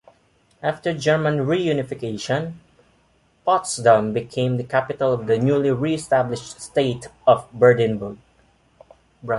After German reunification, Potsdam became the capital of the newly re-established state of Brandenburg.